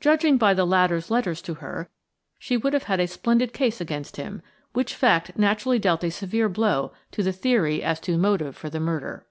Judging by the latter's letters to her, she would have had a splendid case against him, which fact naturally dealt a severe blow to the theory as to motive for the murder.